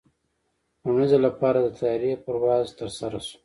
د لومړي ځل لپاره د طیارې پرواز ترسره شو.